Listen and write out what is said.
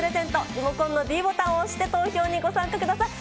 リモコンのｄボタンを押して、投票にご参加ください。